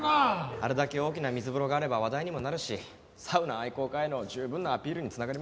あれだけ大きな水風呂があれば話題にもなるしサウナ愛好家への十分なアピールに繋がります。